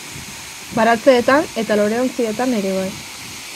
Baratzeetan eta loreontzietan ere bai.